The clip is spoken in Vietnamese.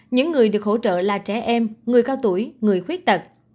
những người được hỗ trợ là trẻ em người cao tuổi người khuyết tật